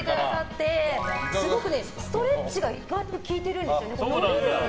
すごくストレッチが効いてるんですよね。